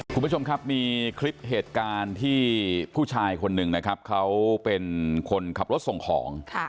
คุณผู้ชมครับมีคลิปเหตุการณ์ที่ผู้ชายคนหนึ่งนะครับเขาเป็นคนขับรถส่งของ